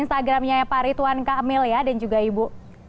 instagramnya pari tuan kak emil ya dan juga ibu